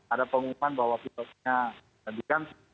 ada pengumuman bahwa pilotnya diganti